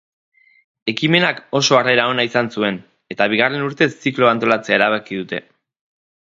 Ekimenak oso harrera ona izan zuen eta bigarren urtez zikloa antolatzea erabaki dute.